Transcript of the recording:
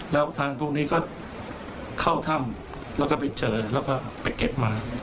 แล้วทางพวกนี้ก็เข้าถ้ำแล้วก็ไปเจอแล้วก็ไปเก็บมา